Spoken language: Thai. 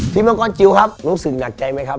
มังกรจิลครับรู้สึกหนักใจไหมครับ